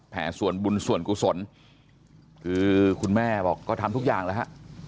ส่วนบุญส่วนกุศลคือคุณแม่บอกก็ทำทุกอย่างแล้วฮะ